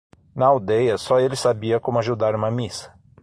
Na aldeia, só ele sabia como ajudar uma missa.